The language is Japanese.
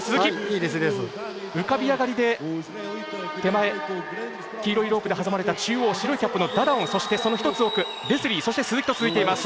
浮かび上がりで黄色いロープで挟まれた中央白いキャップのダダオンそして、その１つ奥、レスリーそして、鈴木と続いています。